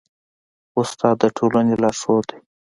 استاد د ټولني لارښود دی.